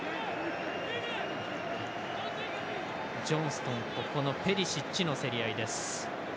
ジョンストンとペリシッチの競り合いです。